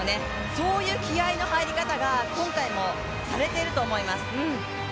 そういう気合いの入り方が今回もされていると思います。